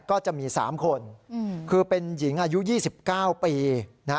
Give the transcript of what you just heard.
ก็จะมีสามคนอืมคือเป็นหญิงอายุยี่สิบเก้าปีนะฮะ